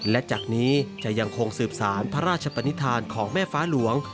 และจากนี้จะยังคงสืบสารพระราชปนิษฐานของแม่ฟ้าหลวง